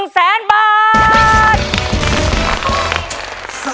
๑แสนบาท